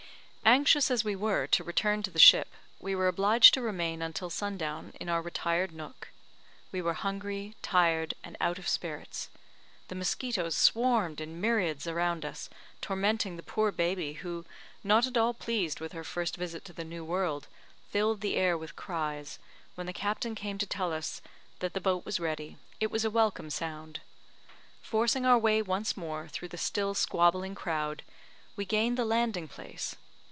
Anxious as we were to return to the ship, we were obliged to remain until sun down in our retired nook. We were hungry, tired, and out of spirits; the mosquitoes swarmed in myriads around us, tormenting the poor baby, who, not at all pleased with her first visit to the new world, filled the air with cries, when the captain came to tell us that the boat was ready. It was a welcome sound. Forcing our way once more through the still squabbling crowd, we gained the landing place.